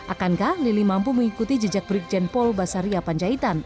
akankah lili mampu mengikuti jejak berikjen pol basaria panjaitan